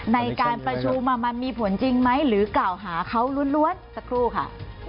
ในการประชุมมันมีผลจริงไหมหรือกล่าวหาเขาล้วนสักครู่ค่ะ